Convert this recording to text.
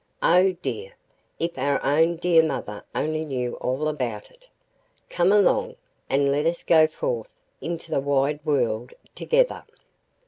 Oh dear! if our own dear mother only knew all about it! Come along, and let us go forth into the wide world together.